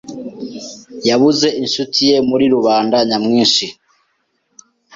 [S] Yabuze inshuti ye muri rubanda nyamwinshi.